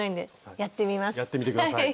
やってみて下さい。